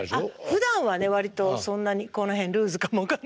ふだんはね割とそんなにこの辺ルーズかも分かんないけど。